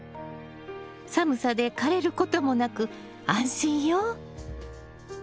寒さで枯れることもなく安心よ。